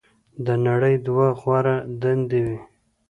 "د نړۍ دوه غوره دندې وې.